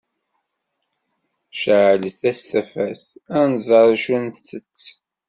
Ceɛlet-aɣ tafat, ad nẓer acu ntett.